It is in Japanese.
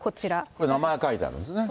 これ、名前書いてあるんですね。